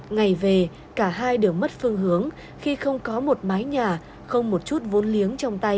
ngày về cả hai đều mất phương hướng khi không có một mái nhà không một chút vốn liếng trong tay